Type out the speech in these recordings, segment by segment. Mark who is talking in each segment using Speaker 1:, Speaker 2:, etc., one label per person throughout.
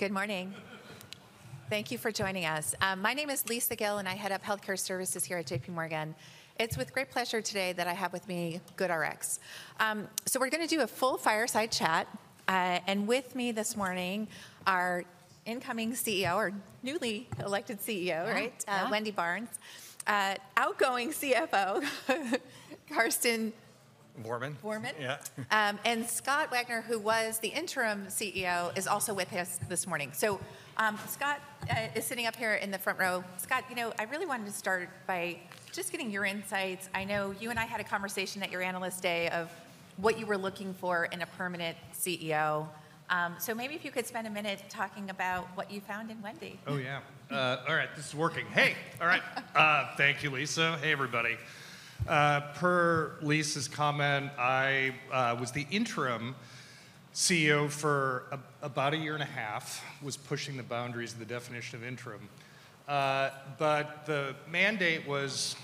Speaker 1: Good morning. Thank you for joining us. My name is Lisa Gill, and I'm the Head of Healthcare Services here at JPMorgan. It's with great pleasure today that I have with me GoodRx. So we're going to do a full fireside chat. And with me this morning are incoming CEO or newly elected CEO, right?
Speaker 2: Right.
Speaker 1: Wendy Barnes, outgoing CFO, Karsten Voermann.
Speaker 3: Voermann. Yeah.
Speaker 1: And Scott Wagner, who was the Interim CEO, is also with us this morning. So Scott is sitting up here in the front row. Scott, you know I really wanted to start by just getting your insights. I know you and I had a conversation at your analyst day of what you were looking for in a permanent CEO. So maybe if you could spend a minute talking about what you found in Wendy.
Speaker 4: Oh, yeah. All right, this is working. Hey, all right. Thank you, Lisa. Hey, everybody. Per Lisa's comment, I was the Interim CEO for about a year and a half, was pushing the boundaries of the definition of interim. But the mandate was,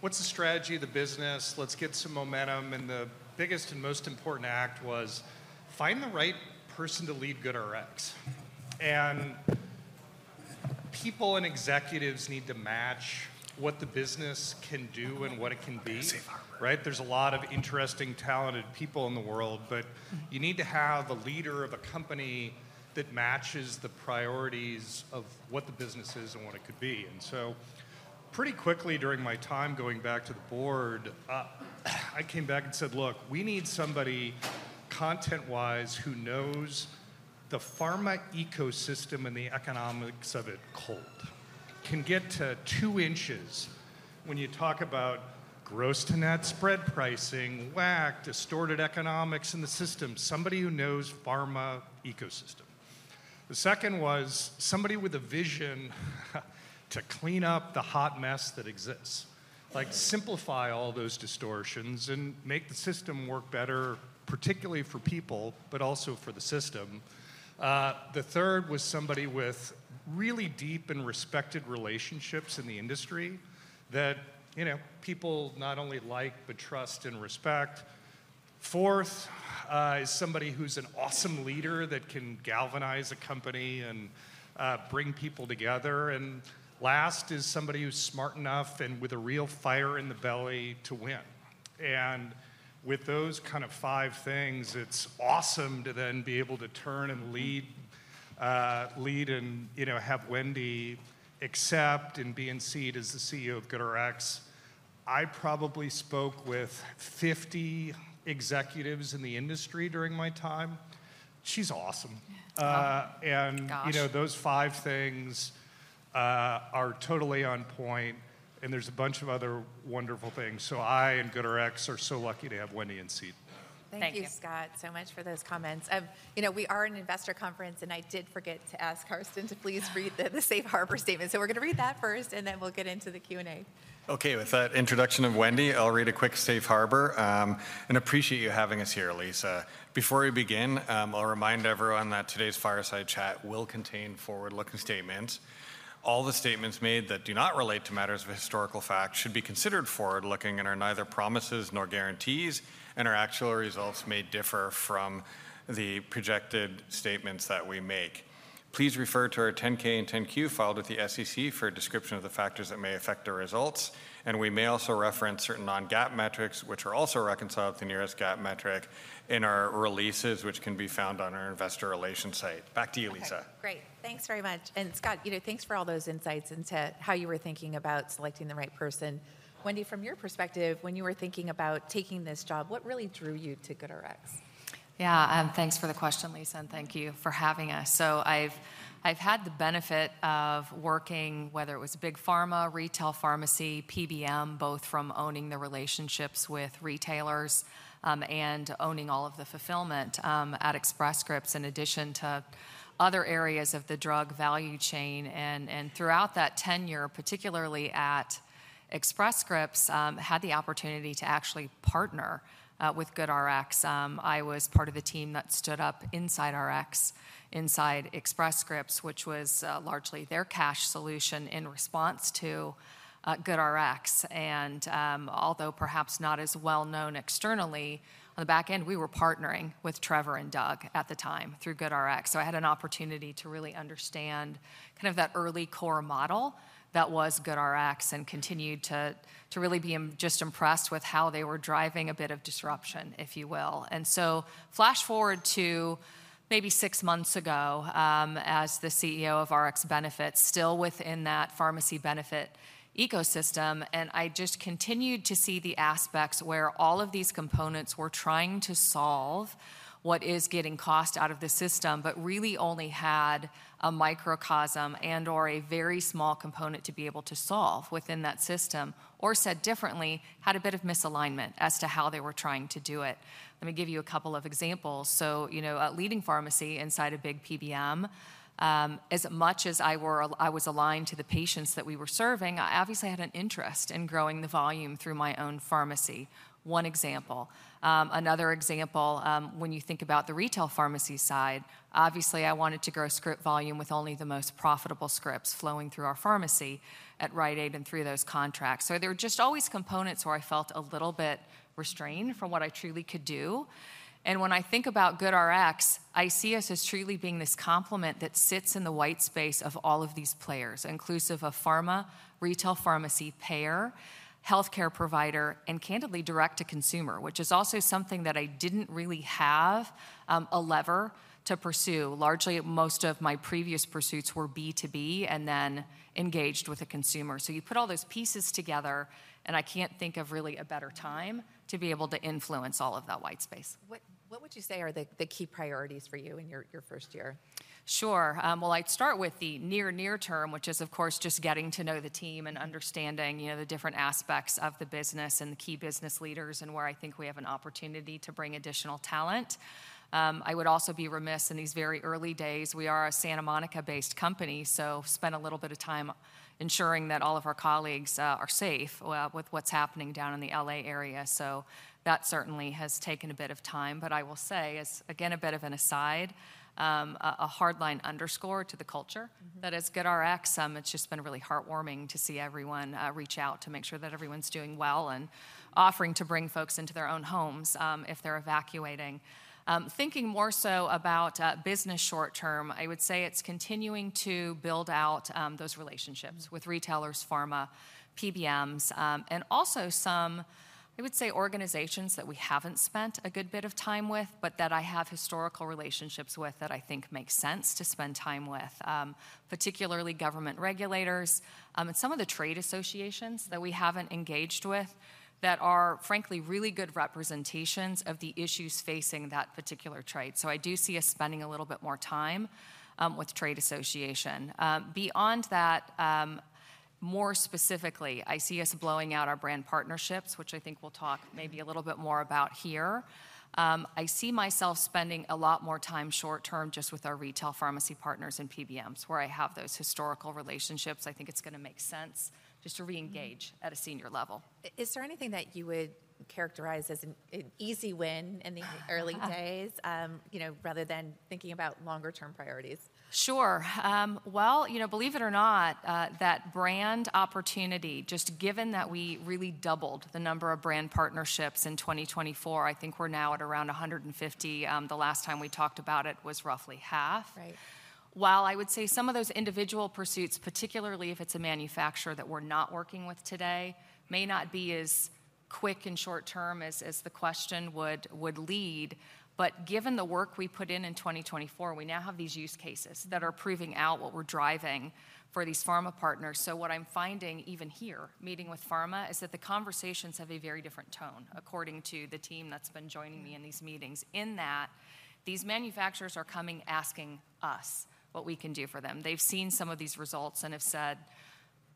Speaker 4: what's the strategy of the business? Let's get some momentum. And the biggest and most important act was find the right person to lead GoodRx. And people and executives need to match what the business can do and what it can be. Right? There's a lot of interesting, talented people in the world. But you need to have a leader of a company that matches the priorities of what the business is and what it could be. Pretty quickly during my time going back to the board, I came back and said, look, we need somebody content-wise who knows the pharma ecosystem and the economics of it cold. Can get to two inches when you talk about gross to net spread pricing, WAC, distorted economics in the system, somebody who knows pharma ecosystem. The second was somebody with a vision to clean up the hot mess that exists, like simplify all those distortions and make the system work better, particularly for people, but also for the system. The third was somebody with really deep and respected relationships in the industry that people not only like, but trust and respect. Fourth is somebody who's an awesome leader that can galvanize a company and bring people together. Last is somebody who's smart enough and with a real fire in the belly to win. With those kind of five things, it's awesome to then be able to turn and lead and have Wendy accept and be in seat as the CEO of GoodRx. I probably spoke with 50 executives in the industry during my time. She's awesome.
Speaker 2: Gosh.
Speaker 4: And those five things are totally on point. And there's a bunch of other wonderful things. So I and GoodRx are so lucky to have Wendy in seat.
Speaker 1: Thank you, Scott, so much for those comments. We are in investor conference, and I did forget to ask Karsten to please read the safe harbor statement. So we're going to read that first, and then we'll get into the Q&A.
Speaker 3: OK, with that introduction of Wendy, I'll read a quick safe harbor and appreciate you having us here, Lisa. Before we begin, I'll remind everyone that today's fireside chat will contain forward-looking statements. All the statements made that do not relate to matters of historical fact should be considered forward-looking and are neither promises nor guarantees, and our actual results may differ from the projected statements that we make. Please refer to our 10-K and 10-Q filed with the SEC for a description of the factors that may affect our results, and we may also reference certain non-GAAP metrics, which are also reconciled to the nearest GAAP metric in our releases, which can be found on our investor relations site. Back to you, Lisa.
Speaker 1: Great. Thanks very much and Scott, thanks for all those insights into how you were thinking about selecting the right person. Wendy, from your perspective, when you were thinking about taking this job, what really drew you to GoodRx?
Speaker 2: Yeah, thanks for the question, Lisa, and thank you for having us. So I've had the benefit of working, whether it was big pharma, retail pharmacy, PBM, both from owning the relationships with retailers and owning all of the fulfillment at Express Scripts, in addition to other areas of the drug value chain. And throughout that tenure, particularly at Express Scripts, I had the opportunity to actually partner with GoodRx. I was part of the team that stood up Inside Rx inside Express Scripts, which was largely their cash solution in response to GoodRx. And although perhaps not as well known externally, on the back end, we were partnering with Trevor and Doug at the time through GoodRx. So I had an opportunity to really understand kind of that early core model that was GoodRx and continued to really be just impressed with how they were driving a bit of disruption, if you will. And so flash forward to maybe six months ago as the CEO of RxBenefits, still within that pharmacy benefit ecosystem. And I just continued to see the aspects where all of these components were trying to solve what is getting cost out of the system, but really only had a microcosm and/or a very small component to be able to solve within that system, or said differently, had a bit of misalignment as to how they were trying to do it. Let me give you a couple of examples. So a leading pharmacy inside a big PBM, as much as I was aligned to the patients that we were serving, I obviously had an interest in growing the volume through my own pharmacy, one example. Another example, when you think about the retail pharmacy side, obviously I wanted to grow script volume with only the most profitable scripts flowing through our pharmacy at Rite Aid and through those contracts. So there were just always components where I felt a little bit restrained from what I truly could do. And when I think about GoodRx, I see us as truly being this complement that sits in the white space of all of these players, inclusive of pharma, retail pharmacy, payer, health care provider, and candidly direct to consumer, which is also something that I didn't really have a lever to pursue. Largely, most of my previous pursuits were B2B and then engaged with a consumer. So you put all those pieces together, and I can't think of really a better time to be able to influence all of that white space.
Speaker 1: What would you say are the key priorities for you in your first year?
Speaker 2: Sure. Well, I'd start with the near-near term, which is, of course, just getting to know the team and understanding the different aspects of the business and the key business leaders and where I think we have an opportunity to bring additional talent. I would also be remiss in these very early days. We are a Santa Monica-based company, so spent a little bit of time ensuring that all of our colleagues are safe with what's happening down in the L.A. area. So that certainly has taken a bit of time. But I will say, as again a bit of an aside, a hard line underscore to the culture that is GoodRx. It's just been really heartwarming to see everyone reach out to make sure that everyone's doing well and offering to bring folks into their own homes if they're evacuating. Thinking more so about business short term, I would say it's continuing to build out those relationships with retailers, pharma, PBMs, and also some, I would say, organizations that we haven't spent a good bit of time with, but that I have historical relationships with that I think make sense to spend time with, particularly government regulators, and some of the trade associations that we haven't engaged with that are, frankly, really good representations of the issues facing that particular trade, so I do see us spending a little bit more time with the trade association. Beyond that, more specifically, I see us blowing out our brand partnerships, which I think we'll talk maybe a little bit more about here. I see myself spending a lot more time short term just with our retail pharmacy partners and PBMs where I have those historical relationships. I think it's going to make sense just to reengage at a senior level.
Speaker 1: Is there anything that you would characterize as an easy win in the early days rather than thinking about longer-term priorities?
Speaker 2: Sure. Well, believe it or not, that brand opportunity, just given that we really doubled the number of brand partnerships in 2024, I think we're now at around 150. The last time we talked about it was roughly half.
Speaker 1: Right.
Speaker 2: While I would say some of those individual pursuits, particularly if it's a manufacturer that we're not working with today, may not be as quick and short term as the question would lead, but given the work we put in in 2024, we now have these use cases that are proving out what we're driving for these pharma partners, so what I'm finding even here, meeting with pharma, is that the conversations have a very different tone, according to the team that's been joining me in these meetings, in that these manufacturers are coming asking us what we can do for them. They've seen some of these results and have said,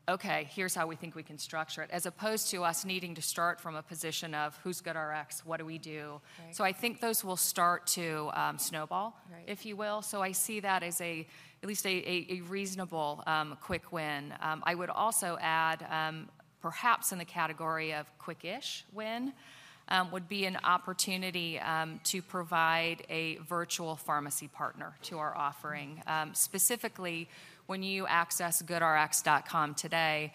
Speaker 2: OK, here's how we think we can structure it, as opposed to us needing to start from a position of who's GoodRx, what do we do, so I think those will start to snowball, if you will. I see that as at least a reasonable quick win. I would also add, perhaps in the category of quick-ish win, would be an opportunity to provide a virtual pharmacy partner to our offering. Specifically, when you access goodrx.com today,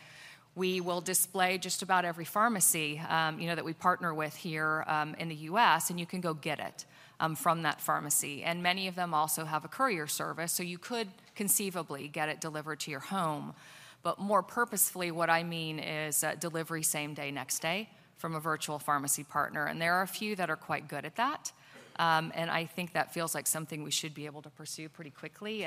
Speaker 2: we will display just about every pharmacy that we partner with here in the U.S., and you can go get it from that pharmacy. Many of them also have a courier service, so you could conceivably get it delivered to your home. But more purposefully, what I mean is delivery same day, next day from a virtual pharmacy partner. There are a few that are quite good at that. I think that feels like something we should be able to pursue pretty quickly.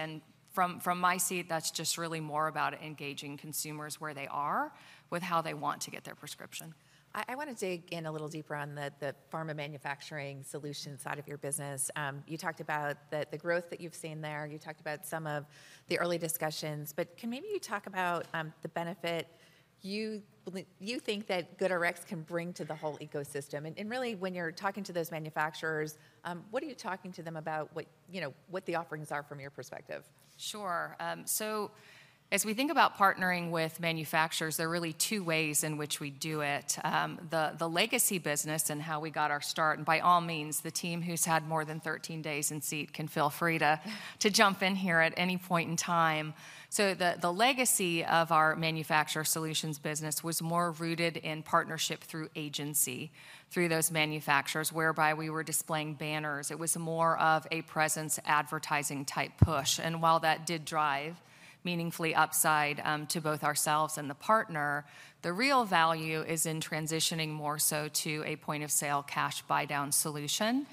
Speaker 2: From my seat, that's just really more about engaging consumers where they are with how they want to get their prescription.
Speaker 1: I want to dig in a little deeper on the pharma manufacturing solution side of your business. You talked about the growth that you've seen there. You talked about some of the early discussions. But can maybe you talk about the benefit you think that GoodRx can bring to the whole ecosystem? And really, when you're talking to those manufacturers, what are you talking to them about what the offerings are from your perspective?
Speaker 2: Sure. So as we think about partnering with manufacturers, there are really two ways in which we do it. The legacy business and how we got our start, and by all means, the team who's had more than 13 days in seat can feel free to jump in here at any point in time. So the legacy of our manufacturer solutions business was more rooted in partnership through agency through those manufacturers, whereby we were displaying banners. It was more of a presence advertising type push. And while that did drive meaningfully upside to both ourselves and the partner, the real value is in transitioning more so to a point of sale cash buy-down solution,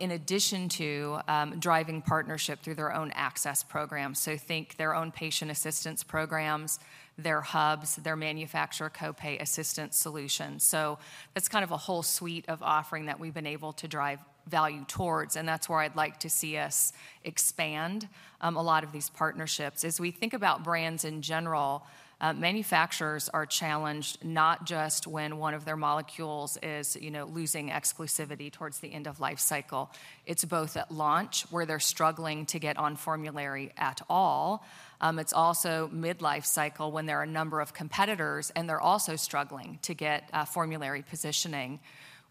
Speaker 2: in addition to driving partnership through their own access programs. So think their own patient assistance programs, their hubs, their manufacturer copay assistance solutions. So that's kind of a whole suite of offerings that we've been able to drive value towards. And that's where I'd like to see us expand a lot of these partnerships. As we think about brands in general, manufacturers are challenged not just when one of their molecules is losing exclusivity towards the end of life cycle. It's both at launch where they're struggling to get on formulary at all. It's also mid-life cycle when there are a number of competitors and they're also struggling to get formulary positioning.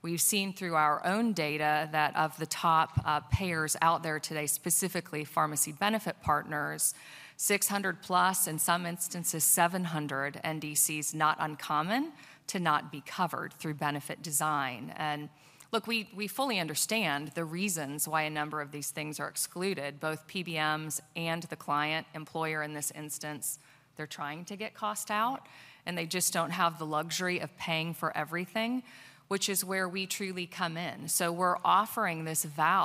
Speaker 2: We've seen through our own data that of the top payers out there today, specifically pharmacy benefit partners, 600+ and some instances 700 NDCs not uncommon to not be covered through benefit design. And look, we fully understand the reasons why a number of these things are excluded. Both PBMs and the client employer in this instance, they're trying to get cost out, and they just don't have the luxury of paying for everything, which is where we truly come in. So we're offering this value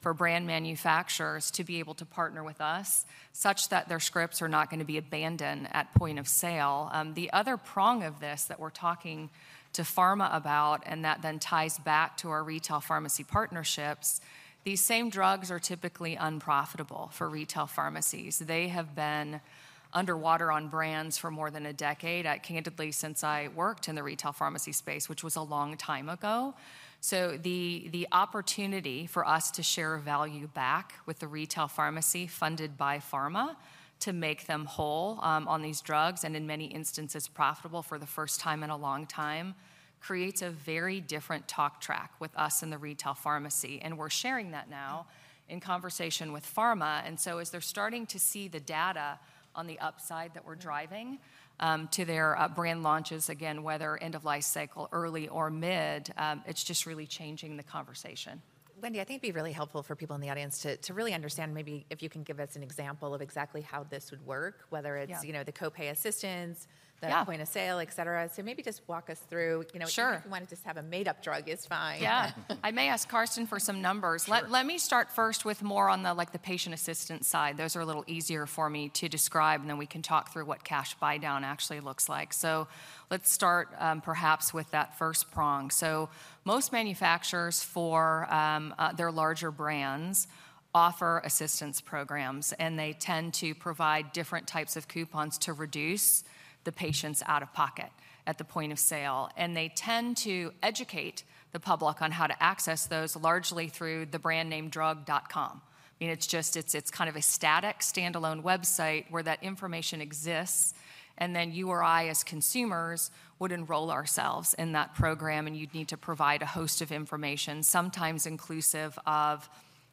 Speaker 2: for brand manufacturers to be able to partner with us such that their scripts are not going to be abandoned at point of sale. The other prong of this that we're talking to pharma about, and that then ties back to our retail pharmacy partnerships, these same drugs are typically unprofitable for retail pharmacies. They have been underwater on brands for more than a decade, candidly since I worked in the retail pharmacy space, which was a long time ago. So the opportunity for us to share value back with the retail pharmacy funded by pharma to make them whole on these drugs and in many instances profitable for the first time in a long time creates a very different talk track with us in the retail pharmacy. And we're sharing that now in conversation with pharma. And so as they're starting to see the data on the upside that we're driving to their brand launches, again, whether end of life cycle, early, or mid, it's just really changing the conversation.
Speaker 1: Wendy, I think it'd be really helpful for people in the audience to really understand maybe if you can give us an example of exactly how this would work, whether it's the copay assistance, the point of sale, et cetera. So maybe just walk us through. If you want to just have a made-up drug, it's fine.
Speaker 2: Yeah. I may ask Karsten for some numbers. Let me start first with more on the patient assistance side. Those are a little easier for me to describe, and then we can talk through what cash buy-down actually looks like. So let's start perhaps with that first prong. Most manufacturers for their larger brands offer assistance programs, and they tend to provide different types of coupons to reduce the patient's out-of-pocket at the point of sale. They tend to educate the public on how to access those largely through the brand name drug.com. I mean, it's just kind of a static standalone website where that information exists. Then you or I as consumers would enroll ourselves in that program, and you'd need to provide a host of information, sometimes inclusive of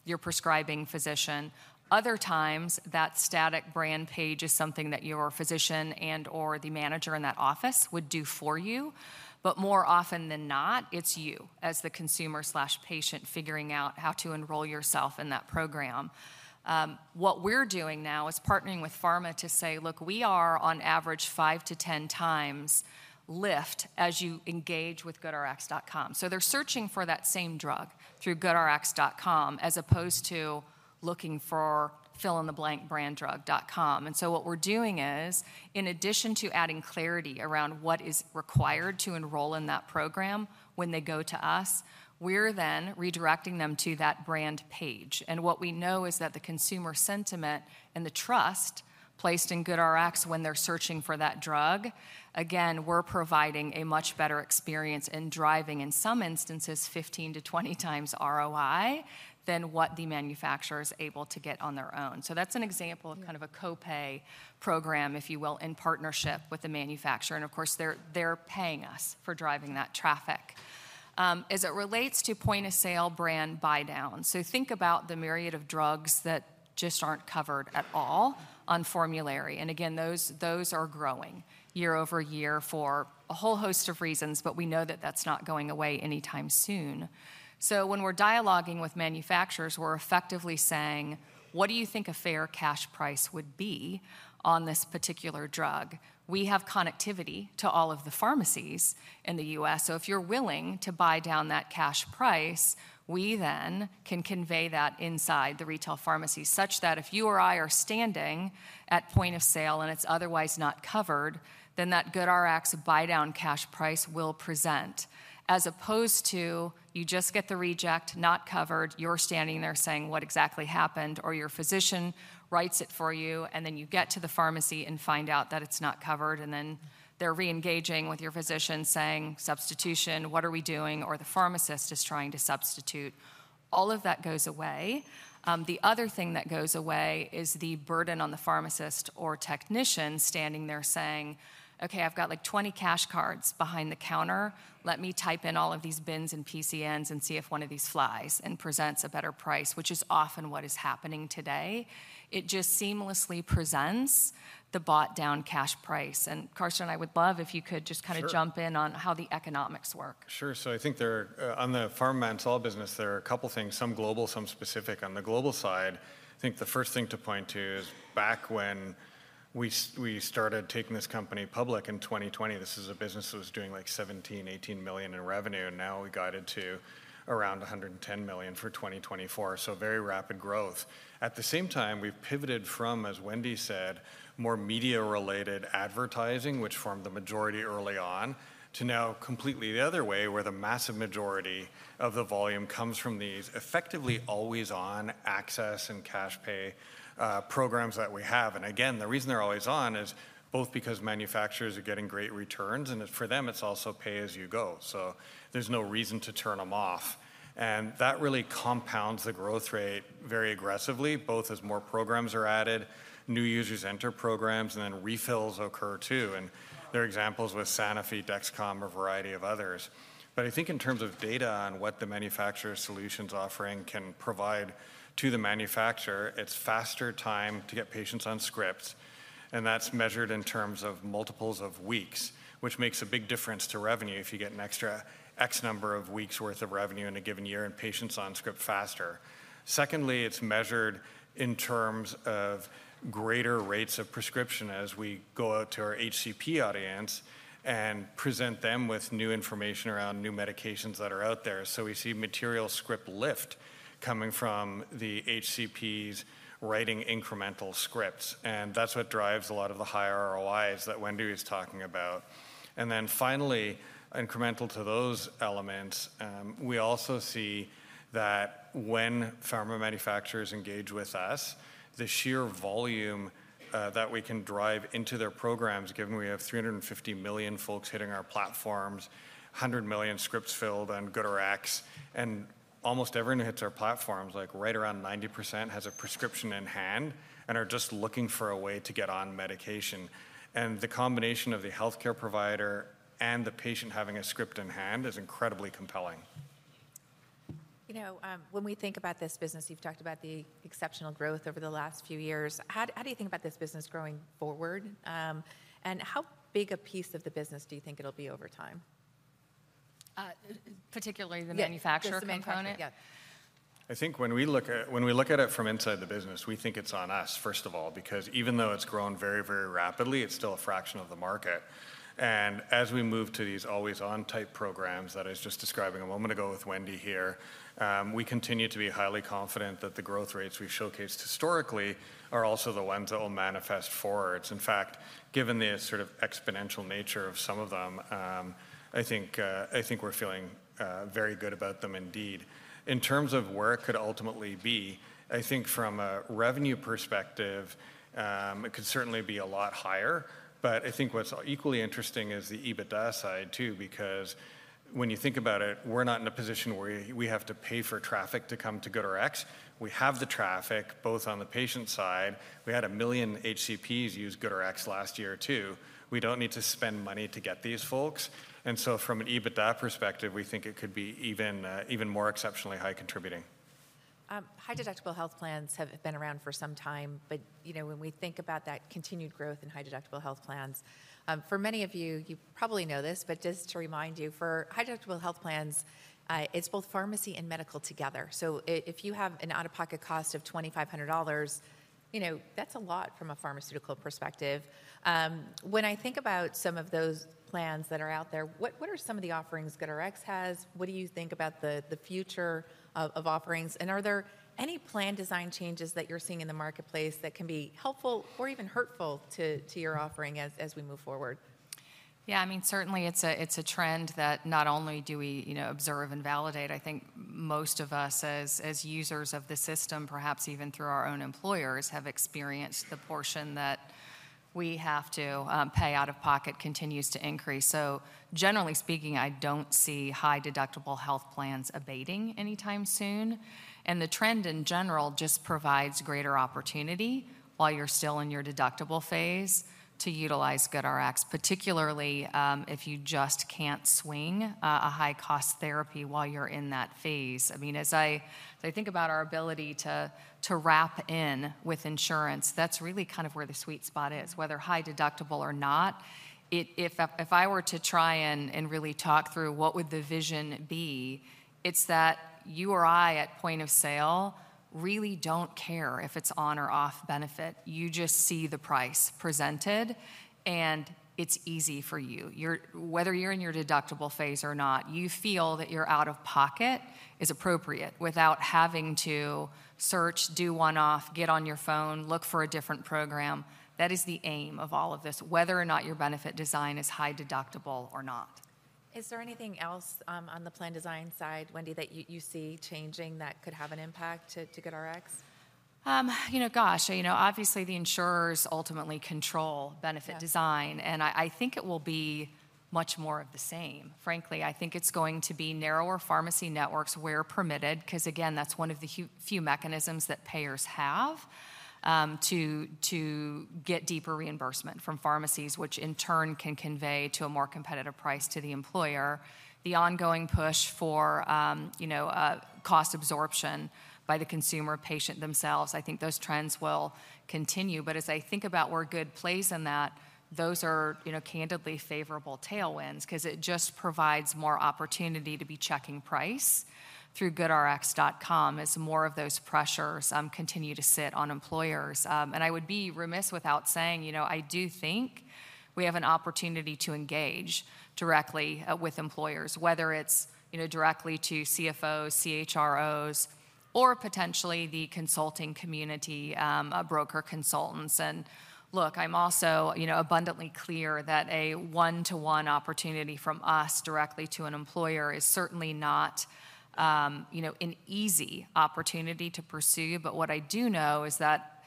Speaker 2: your prescribing physician. Other times, that static brand page is something that your physician and/or the manager in that office would do for you. But more often than not, it's you as the consumer/patient figuring out how to enroll yourself in that program. What we're doing now is partnering with pharma to say, look, we are on average 5-10 times lift as you engage with goodrx.com. So they're searching for that same drug through goodrx.com as opposed to looking for fill-in-the-blank brand drug.com. And so what we're doing is, in addition to adding clarity around what is required to enroll in that program when they go to us, we're then redirecting them to that brand page. And what we know is that the consumer sentiment and the trust placed in GoodRx when they're searching for that drug. Again, we're providing a much better experience in driving, in some instances, 15-20 times ROI than what the manufacturer is able to get on their own. So that's an example of kind of a copay program, if you will, in partnership with the manufacturer. And of course, they're paying us for driving that traffic. As it relates to point of sale brand buy-down, so think about the myriad of drugs that just aren't covered at all on formulary. And again, those are growing year over year for a whole host of reasons, but we know that that's not going away anytime soon. So when we're dialoguing with manufacturers, we're effectively saying, what do you think a fair cash price would be on this particular drug? We have connectivity to all of the pharmacies in the U.S., so if you're willing to buy down that cash price, we then can convey that inside the retail pharmacy such that if you or I are standing at point of sale and it's otherwise not covered, then that GoodRx buy-down cash price will present, as opposed to you just get the reject, not covered. You're standing there saying what exactly happened? Or your physician writes it for you, and then you get to the pharmacy and find out that it's not covered, and then they're reengaging with your physician saying, substitution, what are we doing? Or the pharmacist is trying to substitute. All of that goes away. The other thing that goes away is the burden on the pharmacist or technician standing there saying, OK, I've got like 20 cash cards behind the counter. Let me type in all of these BINs and PCNs and see if one of these flies and presents a better price, which is often what is happening today. It just seamlessly presents the buy-down cash price. And Karsten and I would love if you could just kind of jump in on how the economics work.
Speaker 3: Sure, so I think on the pharma and small business, there are a couple of things, some global, some specific. On the global side, I think the first thing to point to is back when we started taking this company public in 2020, this is a business that was doing like $17 million-$18 million in revenue. Now we got it to around $110 million for 2024, so very rapid growth. At the same time, we've pivoted from, as Wendy said, more media-related advertising, which formed the majority early on, to now completely the other way, where the massive majority of the volume comes from these effectively always-on access and cash pay programs that we have. And again, the reason they're always on is both because manufacturers are getting great returns, and for them, it's also pay as you go. So there's no reason to turn them off. And that really compounds the growth rate very aggressively, both as more programs are added, new users enter programs, and then refills occur too. And there are examples with Sanofi, Dexcom, a variety of others. But I think in terms of data on what the manufacturer solutions offering can provide to the manufacturer, it's faster time to get patients on scripts. And that's measured in terms of multiples of weeks, which makes a big difference to revenue if you get an extra X number of weeks' worth of revenue in a given year and patients on script faster. Secondly, it's measured in terms of greater rates of prescription as we go out to our HCP audience and present them with new information around new medications that are out there. So we see material script lift coming from the HCPs writing incremental scripts. And that's what drives a lot of the high ROIs that Wendy was talking about. And then finally, incremental to those elements, we also see that when pharma manufacturers engage with us, the sheer volume that we can drive into their programs, given we have 350 million folks hitting our platforms, 100 million scripts filled on GoodRx, and almost everyone who hits our platforms, like right around 90%, has a prescription in hand and are just looking for a way to get on medication. And the combination of the health care provider and the patient having a script in hand is incredibly compelling.
Speaker 1: You know, when we think about this business, you've talked about the exceptional growth over the last few years. How do you think about this business growing forward? And how big a piece of the business do you think it'll be over time?
Speaker 2: Particularly the manufacturer component?
Speaker 1: Yeah.
Speaker 3: I think when we look at it from inside the business, we think it's on us, first of all, because even though it's grown very, very rapidly, it's still a fraction of the market, and as we move to these always-on type programs that I was just describing a moment ago with Wendy here, we continue to be highly confident that the growth rates we've showcased historically are also the ones that will manifest forwards. In fact, given the sort of exponential nature of some of them, I think we're feeling very good about them indeed. In terms of where it could ultimately be, I think from a revenue perspective, it could certainly be a lot higher, but I think what's equally interesting is the EBITDA side too, because when you think about it, we're not in a position where we have to pay for traffic to come to GoodRx. We have the traffic both on the patient side. We had a million HCPs use GoodRx last year too. We don't need to spend money to get these folks, and so from an EBITDA perspective, we think it could be even more exceptionally high contributing.
Speaker 1: High-deductible health plans have been around for some time. But when we think about that continued growth in high-deductible health plans, for many of you, you probably know this, but just to remind you, for high-deductible health plans, it's both pharmacy and medical together. So if you have an out-of-pocket cost of $2,500, that's a lot from a pharmaceutical perspective. When I think about some of those plans that are out there, what are some of the offerings GoodRx has? What do you think about the future of offerings? And are there any plan design changes that you're seeing in the marketplace that can be helpful or even hurtful to your offering as we move forward?
Speaker 2: Yeah, I mean, certainly it's a trend that not only do we observe and validate. I think most of us as users of the system, perhaps even through our own employers, have experienced the portion that we have to pay out of pocket continues to increase, so generally speaking, I don't see high-deductible health plans abating anytime soon, and the trend in general just provides greater opportunity while you're still in your deductible phase to utilize GoodRx, particularly if you just can't swing a high-cost therapy while you're in that phase. I mean, as I think about our ability to wrap in with insurance, that's really kind of where the sweet spot is. Whether high-deductible or not, if I were to try and really talk through what would the vision be, it's that you or I at point of sale really don't care if it's on or off benefit. You just see the price presented, and it's easy for you. Whether you're in your deductible phase or not, you feel that your out-of-pocket is appropriate without having to search, do one-off, get on your phone, look for a different program. That is the aim of all of this, whether or not your benefit design is high-deductible or not.
Speaker 1: Is there anything else on the plan design side, Wendy, that you see changing that could have an impact to GoodRx?
Speaker 2: You know, gosh, obviously the insurers ultimately control benefit design. And I think it will be much more of the same. Frankly, I think it's going to be narrower pharmacy networks where permitted, because again, that's one of the few mechanisms that payers have to get deeper reimbursement from pharmacies, which in turn can convey to a more competitive price to the employer. The ongoing push for cost absorption by the consumer patient themselves, I think those trends will continue. But as I think about where Good plays in that, those are candidly favorable tailwinds because it just provides more opportunity to be checking price through goodrx.com as more of those pressures continue to sit on employers. I would be remiss without saying, you know, I do think we have an opportunity to engage directly with employers, whether it's directly to CFOs, CHROs, or potentially the consulting community, broker consultants. Look, I'm also abundantly clear that a one-to-one opportunity from us directly to an employer is certainly not an easy opportunity to pursue. What I do know is that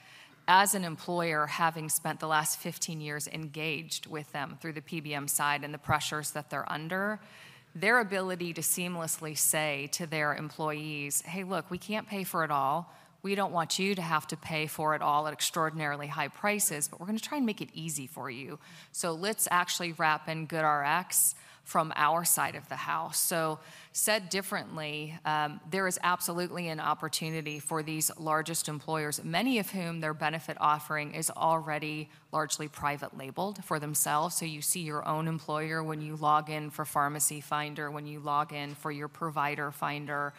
Speaker 2: as an employer, having spent the last 15 years engaged with them through the PBM side and the pressures that they're under, their ability to seamlessly say to their employees, hey, look, we can't pay for it all. We don't want you to have to pay for it all at extraordinarily high prices, but we're going to try and make it easy for you. Let's actually wrap in GoodRx from our side of the house. Said differently, there is absolutely an opportunity for these largest employers, many of whom their benefit offering is already largely private labeled for themselves. So you see your own employer when you log in for pharmacy finder, when you log in for your provider finder.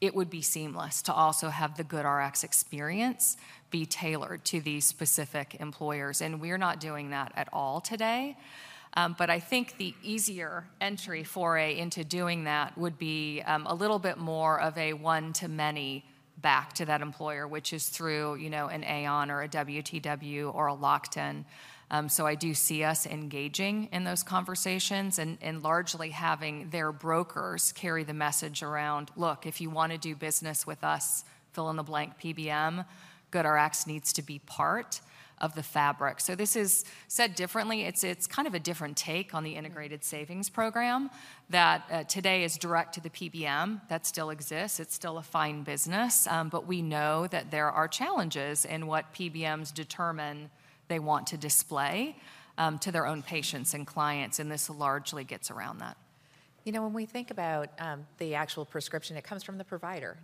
Speaker 2: It would be seamless to also have the GoodRx experience be tailored to these specific employers. And we're not doing that at all today. But I think the easier entry foray into doing that would be a little bit more of a one-to-many back to that employer, which is through an Aon or a WTW or a Lockton. So I do see us engaging in those conversations and largely having their brokers carry the message around, look, if you want to do business with us, fill in the blank PBM, GoodRx needs to be part of the fabric. So this is said differently. It's kind of a different take on the Integrated Savings Program that today is direct to the PBM. That still exists. It's still a fine business. But we know that there are challenges in what PBMs determine they want to display to their own patients and clients. And this largely gets around that.
Speaker 1: You know, when we think about the actual prescription, it comes from the provider.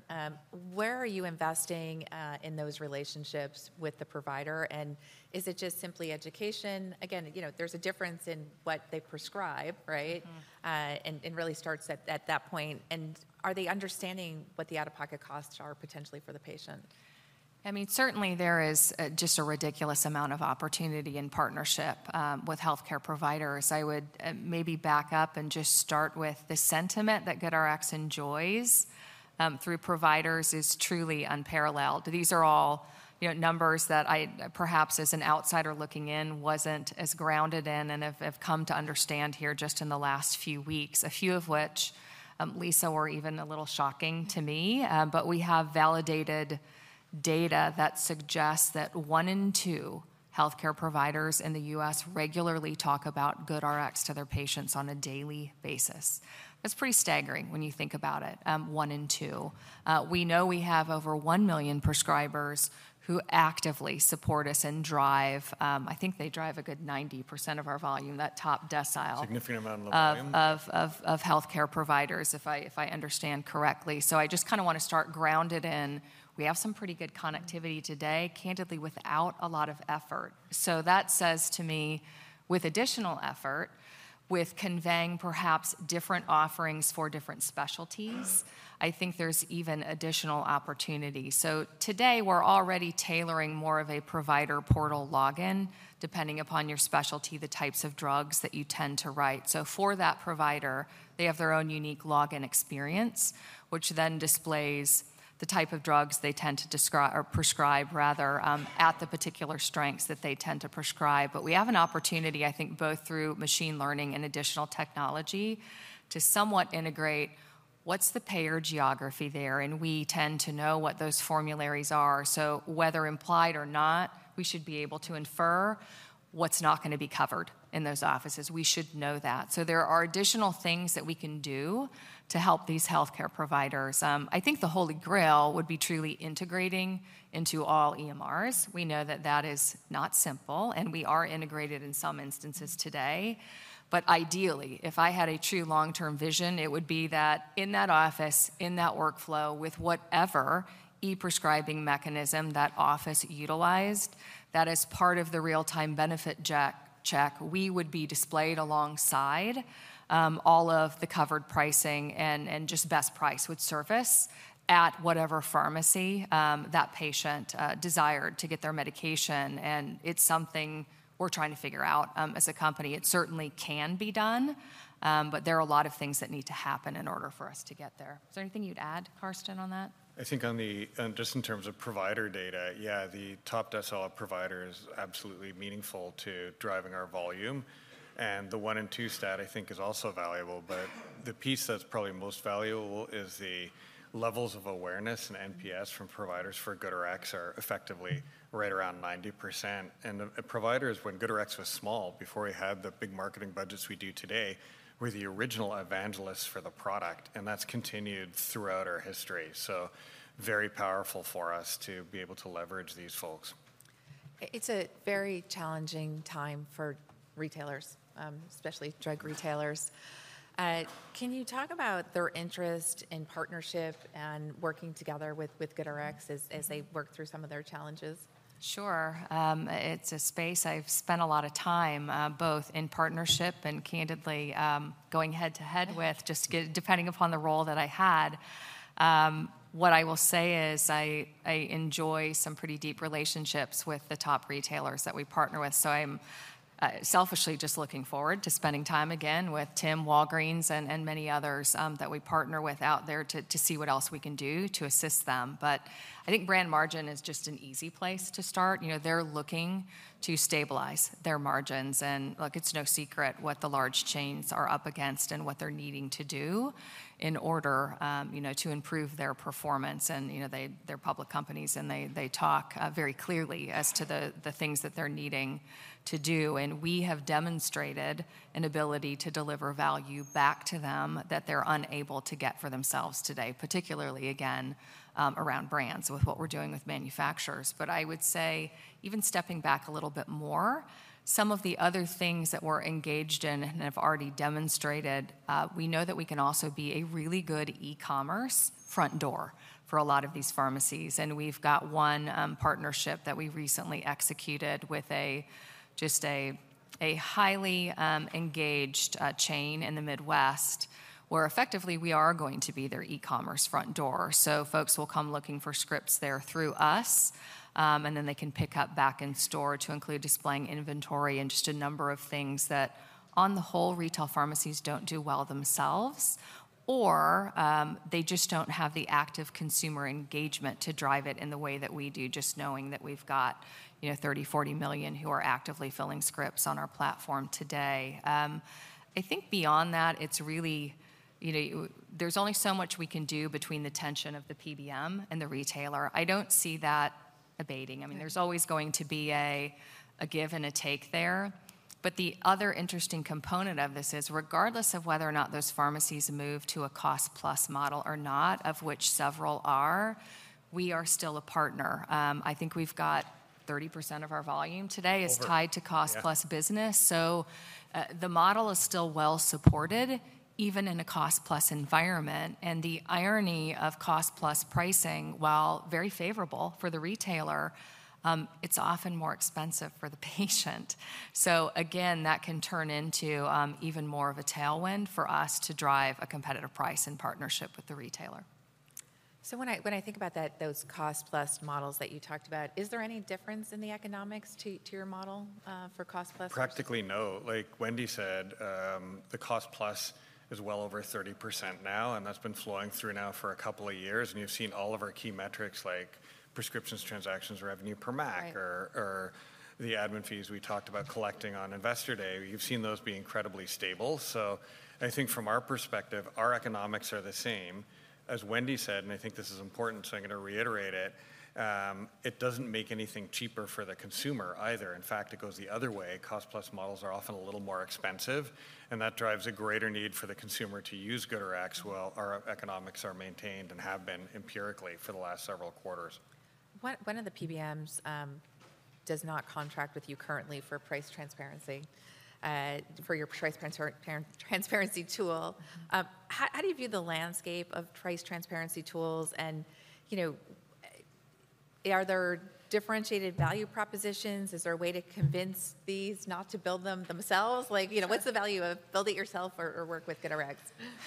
Speaker 1: Where are you investing in those relationships with the provider? And is it just simply education? Again, there's a difference in what they prescribe, right? And really starts at that point. And are they understanding what the out-of-pocket costs are potentially for the patient?
Speaker 2: I mean, certainly there is just a ridiculous amount of opportunity and partnership with health care providers. I would maybe back up and just start with the sentiment that GoodRx enjoys through providers is truly unparalleled. These are all numbers that I perhaps as an outsider looking in wasn't as grounded in and have come to understand here just in the last few weeks, a few of which, Lisa, were even a little shocking to me. But we have validated data that suggests that one in two health care providers in the U.S. regularly talk about GoodRx to their patients on a daily basis. That's pretty staggering when you think about it, one in two. We know we have over 1 million prescribers who actively support us and drive, I think they drive a good 90% of our volume, that top decile.
Speaker 3: Significant amount of volume.
Speaker 2: Of health care providers, if I understand correctly. So I just kind of want to start grounded in we have some pretty good connectivity today, candidly without a lot of effort. So that says to me, with additional effort, with conveying perhaps different offerings for different specialties, I think there's even additional opportunity. So today, we're already tailoring more of a provider portal login, depending upon your specialty, the types of drugs that you tend to write. So for that provider, they have their own unique login experience, which then displays the type of drugs they tend to prescribe, rather, at the particular strengths that they tend to prescribe. But we have an opportunity, I think, both through machine learning and additional technology to somewhat integrate what's the payer geography there, and we tend to know what those formularies are. So whether implied or not, we should be able to infer what's not going to be covered in those offices. We should know that. So there are additional things that we can do to help these health care providers. I think the Holy Grail would be truly integrating into all EMRs. We know that that is not simple. And we are integrated in some instances today. But ideally, if I had a true long-term vision, it would be that in that office, in that workflow, with whatever e-prescribing mechanism that office utilized that is part of the real-time benefit check, we would be displayed alongside all of the covered pricing and just best price would surface at whatever pharmacy that patient desired to get their medication. And it's something we're trying to figure out as a company. It certainly can be done. But there are a lot of things that need to happen in order for us to get there.
Speaker 1: Is there anything you'd add, Karsten, on that?
Speaker 3: I think just in terms of provider data, yeah, the top decile of providers is absolutely meaningful to driving our volume. And the one-in-two stat, I think, is also valuable. But the piece that's probably most valuable is the levels of awareness and NPS from providers for GoodRx are effectively right around 90%. And providers, when GoodRx was small, before we had the big marketing budgets we do today, were the original evangelists for the product. And that's continued throughout our history. So very powerful for us to be able to leverage these folks.
Speaker 1: It's a very challenging time for retailers, especially drug retailers. Can you talk about their interest in partnership and working together with GoodRx as they work through some of their challenges?
Speaker 2: Sure. It's a space I've spent a lot of time both in partnership and candidly going head to head with, just depending upon the role that I had. What I will say is I enjoy some pretty deep relationships with the top retailers that we partner with. So I'm selfishly just looking forward to spending time again with Tim, Walgreens and many others that we partner with out there to see what else we can do to assist them. But I think brand margin is just an easy place to start. They're looking to stabilize their margins. And look, it's no secret what the large chains are up against and what they're needing to do in order to improve their performance. And they're public companies. And they talk very clearly as to the things that they're needing to do. And we have demonstrated an ability to deliver value back to them that they're unable to get for themselves today, particularly, again, around brands with what we're doing with manufacturers. But I would say even stepping back a little bit more, some of the other things that we're engaged in and have already demonstrated, we know that we can also be a really good e-commerce front door for a lot of these pharmacies. And we've got one partnership that we recently executed with just a highly engaged chain in the Midwest where effectively we are going to be their e-commerce front door. So folks will come looking for scripts there through us. And then they can pick up back in store to include displaying inventory and just a number of things that on the whole retail pharmacies don't do well themselves. Or they just don't have the active consumer engagement to drive it in the way that we do, just knowing that we've got 30-40 million who are actively filling scripts on our platform today. I think beyond that, it's really, there's only so much we can do between the tension of the PBM and the retailer. I don't see that abating. I mean, there's always going to be a give and a take there. But the other interesting component of this is regardless of whether or not those pharmacies move to a cost-plus model or not, of which several are, we are still a partner. I think we've got 30% of our volume today is tied to cost-plus business. So the model is still well-supported, even in a cost-plus environment. And the irony of cost-plus pricing, while very favorable for the retailer, it's often more expensive for the patient. So again, that can turn into even more of a tailwind for us to drive a competitive price in partnership with the retailer.
Speaker 1: So when I think about those cost-plus models that you talked about, is there any difference in the economics to your model for cost-plus?
Speaker 3: Practically no. Like Wendy said, the cost-plus is well over 30% now, and that's been flowing through now for a couple of years. You've seen all of our key metrics like prescriptions, transactions, revenue per MAC, or the admin fees we talked about collecting on Investor Day. You've seen those be incredibly stable, so I think from our perspective, our economics are the same. As Wendy said, and I think this is important, so I'm going to reiterate it, it doesn't make anything cheaper for the consumer either. In fact, it goes the other way. Cost-plus models are often a little more expensive, and that drives a greater need for the consumer to use GoodRx while our economics are maintained and have been empirically for the last several quarters.
Speaker 1: One of the PBMs does not contract with you currently for price transparency, for your price transparency tool. How do you view the landscape of price transparency tools? And are there differentiated value propositions? Is there a way to convince these not to build them themselves? What's the value of build it yourself or work with GoodRx?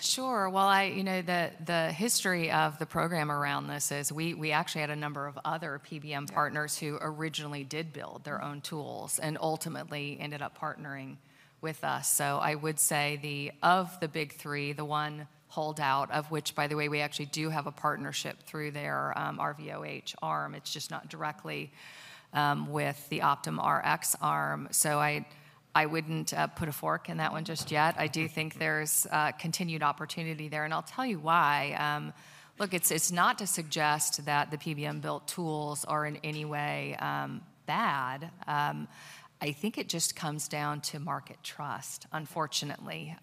Speaker 2: Sure. Well, the history of the program around this is we actually had a number of other PBM partners who originally did build their own tools and ultimately ended up partnering with us. So I would say of the big three, the one holdout, of which, by the way, we actually do have a partnership through their RVO Health arm, it's just not directly with the Optum Rx arm. So I wouldn't put a fork in that one just yet. I do think there's continued opportunity there. And I'll tell you why. Look, it's not to suggest that the PBM-built tools are in any way bad. I think it just comes down to market trust, unfortunately,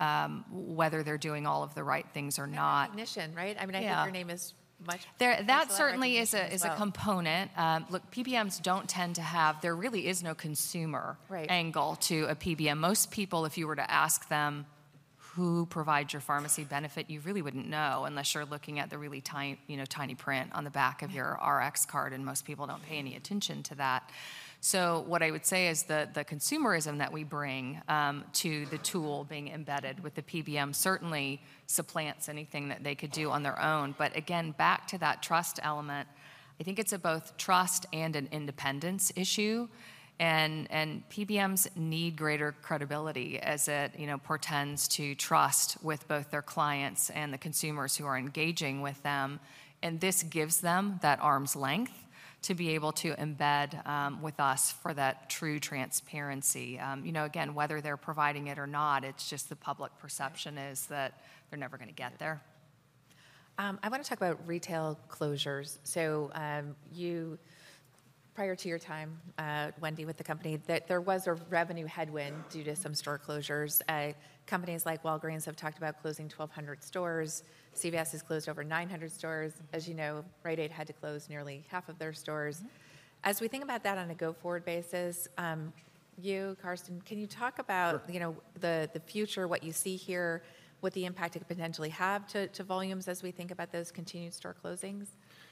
Speaker 2: whether they're doing all of the right things or not.
Speaker 1: Cognition, right? I mean, I think your name is much.
Speaker 2: That certainly is a component. Look, PBMs don't tend to have. There really is no consumer angle to a PBM. Most people, if you were to ask them who provides your pharmacy benefit, you really wouldn't know unless you're looking at the really tiny print on the back of your Rx card, and most people don't pay any attention to that, so what I would say is the consumerism that we bring to the tool being embedded with the PBM certainly supplants anything that they could do on their own, but again, back to that trust element, I think it's a both trust and an independence issue, and PBMs need greater credibility as it pertains to trust with both their clients and the consumers who are engaging with them, and this gives them that arm's length to be able to embed with us for that true transparency. Again, whether they're providing it or not, it's just the public perception is that they're never going to get there.
Speaker 1: I want to talk about retail closures, so prior to your time, Wendy, with the company, there was a revenue headwind due to some store closures. Companies like Walgreens have talked about closing 1,200 stores. CVS has closed over 900 stores. As you know, Rite Aid had to close nearly half of their stores. As we think about that on a go forward basis, you, Karsten, can you talk about the future, what you see here, what the impact it could potentially have to volumes as we think about those continued store closings?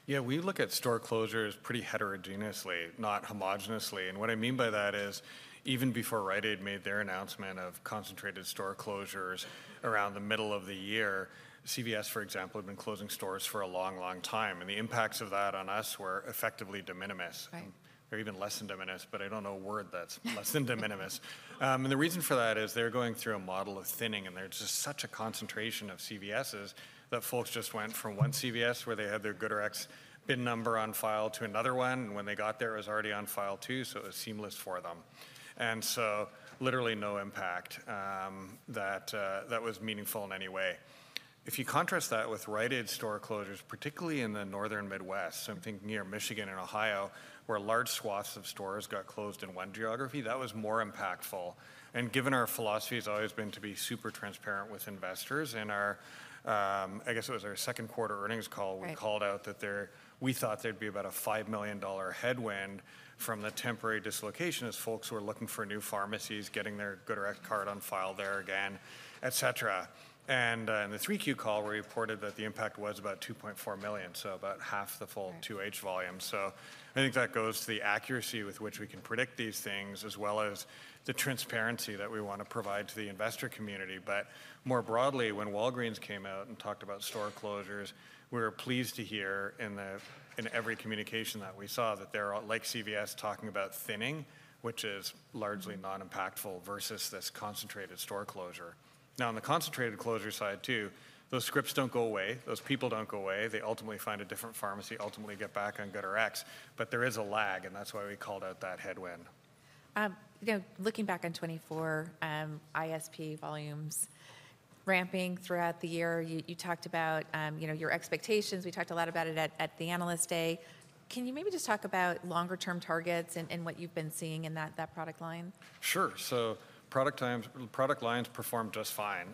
Speaker 3: Yeah, we look at store closures pretty heterogeneously, not homogenously. And what I mean by that is even before Rite Aid made their announcement of concentrated store closures around the middle of the year, CVS, for example, had been closing stores for a long, long time. And the impacts of that on us were effectively de minimis. Or even less than de minimis, but I don't know a word that's less than de minimis. And the reason for that is they're going through a model of thinning. And there's just such a concentration of CVSs that folks just went from one CVS where they had their GoodRx BIN number on file to another one. And when they got there, it was already on file too. So it was seamless for them. And so literally no impact that was meaningful in any way. If you contrast that with Rite Aid store closures, particularly in the northern Midwest, so I'm thinking near Michigan and Ohio, where large swaths of stores got closed in one geography, that was more impactful, given our philosophy has always been to be super transparent with investors. I guess it was our second quarter earnings call. We called out that we thought there'd be about a $5 million headwind from the temporary dislocation as folks were looking for new pharmacies, getting their GoodRx card on file there again, et cetera. In the Q3 call, we reported that the impact was about $2.4 million, so about half the full 2H volume. I think that goes to the accuracy with which we can predict these things, as well as the transparency that we want to provide to the investor community. But more broadly, when Walgreens came out and talked about store closures, we were pleased to hear in every communication that we saw that they're like CVS talking about thinning, which is largely non-impactful versus this concentrated store closure. Now, on the concentrated closure side too, those scripts don't go away. Those people don't go away. They ultimately find a different pharmacy, ultimately get back on GoodRx. But there is a lag, and that's why we called out that headwind.
Speaker 1: Looking back on 2024, ISP volumes ramping throughout the year, you talked about your expectations. We talked a lot about it at the Analyst Day. Can you maybe just talk about longer-term targets and what you've been seeing in that product line?
Speaker 3: Sure. So product lines performed just fine.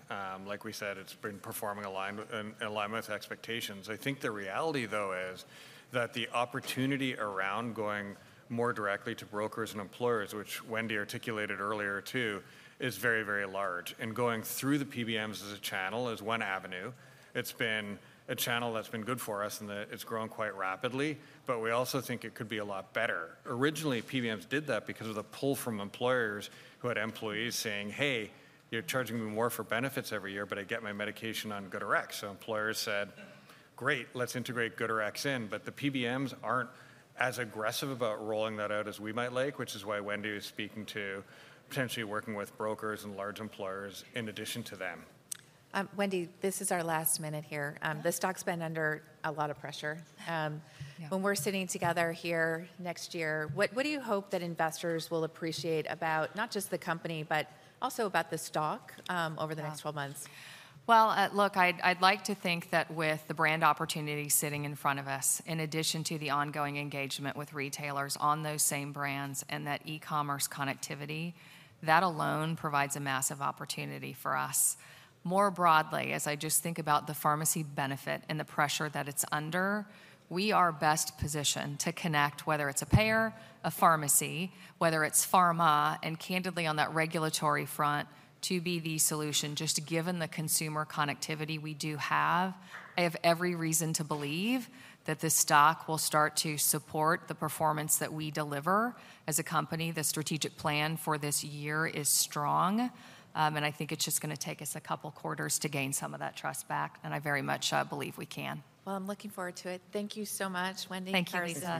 Speaker 3: Like we said, it's been performing in alignment with expectations. I think the reality, though, is that the opportunity around going more directly to brokers and employers, which Wendy articulated earlier too, is very, very large. And going through the PBMs as a channel is one avenue. It's been a channel that's been good for us. And it's grown quite rapidly. But we also think it could be a lot better. Originally, PBMs did that because of the pull from employers who had employees saying, hey, you're charging me more for benefits every year, but I get my medication on GoodRx. So employers said, great, let's integrate GoodRx in. But the PBMs aren't as aggressive about rolling that out as we might like, which is why Wendy is speaking to potentially working with brokers and large employers in addition to them.
Speaker 1: Wendy, this is our last minute here. The stock's been under a lot of pressure. When we're sitting together here next year, what do you hope that investors will appreciate about not just the company, but also about the stock over the next 12 months?
Speaker 2: Look, I'd like to think that with the brand opportunity sitting in front of us, in addition to the ongoing engagement with retailers on those same brands and that e-commerce connectivity, that alone provides a massive opportunity for us. More broadly, as I just think about the pharmacy benefit and the pressure that it's under, we are best positioned to connect, whether it's a payer, a pharmacy, whether it's pharma. Candidly, on that regulatory front, to be the solution, just given the consumer connectivity we do have, I have every reason to believe that this stock will start to support the performance that we deliver as a company. The strategic plan for this year is strong. I think it's just going to take us a couple of quarters to gain some of that trust back. I very much believe we can.
Speaker 1: I'm looking forward to it. Thank you so much, Wendy.
Speaker 2: Thank you, Lisa.